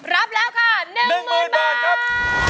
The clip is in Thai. รับแล้วค่ะ๑๐๐๐๐บาท